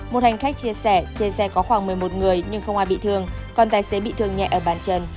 một hành khách chia sẻ trên xe có khoảng một mươi một người nhưng không ai bị thương còn tài xế bị thương nhẹ ở bàn chân